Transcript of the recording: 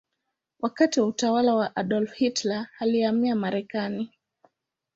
Wakati wa utawala wa Adolf Hitler alihamia Marekani.